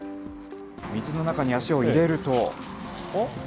水の中に足を入れると。